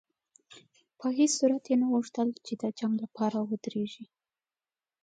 په هېڅ صورت یې نه غوښتل چې د جنګ لپاره ودرېږي.